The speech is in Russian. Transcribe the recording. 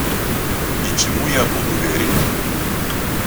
И чему я буду верить?